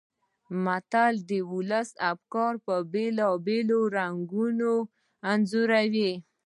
متل د ولسي افکارو بېلابېل رنګونه انځوروي